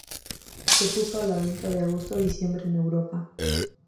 Se puso a la venta de Agosto a Diciembre en Europa.